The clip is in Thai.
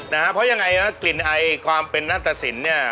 เพราะยังไงกลิ่นไอความเป็นนาฏศิลป์